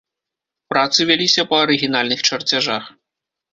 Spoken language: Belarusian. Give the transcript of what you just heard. Працы вяліся па арыгінальных чарцяжах.